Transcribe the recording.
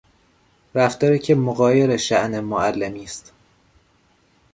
رفتاری که مغایر شاءن معلمی است